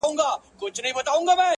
په خامه خوله وعده پخه ستایمه,